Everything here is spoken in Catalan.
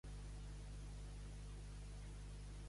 En va es treu aigua del mar; el que ha de ser sempre serà.